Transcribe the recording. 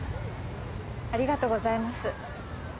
ありがとうございます。